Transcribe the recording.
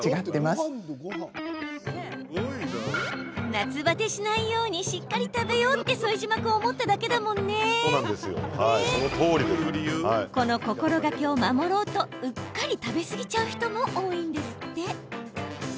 夏バテしないようしっかり食べようということなんだそうですがこの心がけを守ろうとうっかり食べ過ぎちゃう人も多いんですって。